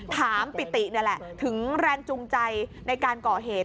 ปิตินี่แหละถึงแรงจูงใจในการก่อเหตุ